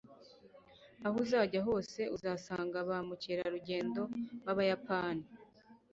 aho uzajya hose, uzasanga ba mukerarugendo b'abayapani